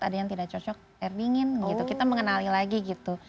ada yang tidak cocok air dingin gitu kita mengenali lagi gitu